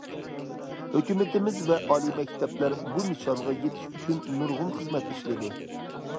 ھۆكۈمىتىمىز ۋە ئالىي مەكتەپلەر بۇ نىشانغا يېتىش ئۈچۈن نۇرغۇن خىزمەت ئىشلىدى.